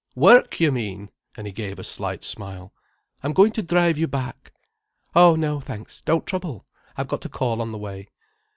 Work, you mean," and he gave a slight smile. "I'm going to drive you back." "Oh no, thanks, don't trouble! I've got to call on the way."